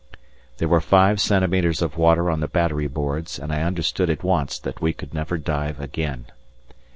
There were five centimetres of water on the battery boards, and I understood at once that we could never dive again.